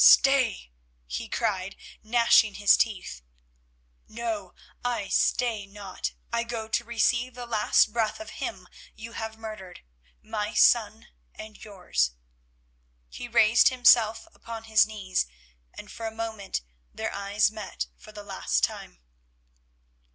"Stay!" he cried, gnashing his teeth. "No, I stay not, I go to receive the last breath of him you have murdered, my son and yours." He raised himself upon his knees, and for a moment their eyes met for the last time.